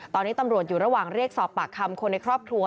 ตอนนี้ตำรวจอยู่ระหว่างเรียกสอบปากคำคนในครอบครัว